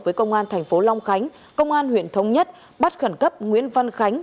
với công an tp hcm công an huyện thông nhất bắt khẩn cấp nguyễn văn khánh